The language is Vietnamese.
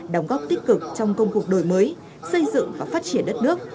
đóng góp tích cực trong công cuộc đổi mới xây dựng và phát triển đất nước